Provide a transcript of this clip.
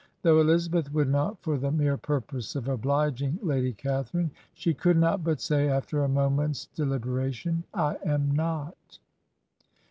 Though Elizabeth would not for the mere purpose of obliging Lady Catharine, she could not but say, after a moment's deliberation, ' I am not.